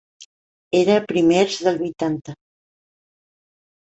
Era a primers dels vuitanta.